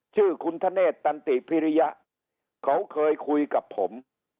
ชื่อคุณธเนธตันติพิริยะเขาเคยคุยกับผม